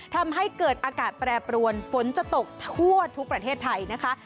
ทำให้เกิดอากาศแปรปรวนฝนจะตกทั่วทุกประเทศไทยนะคะ